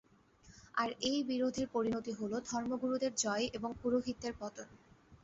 আর এই বিরোধের পরিণতি হল ধর্মগুরুদের জয় এবং পুরোহিতদের পতন।